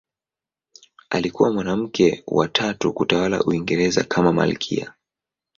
Alikuwa mwanamke wa tatu kutawala Uingereza kama malkia.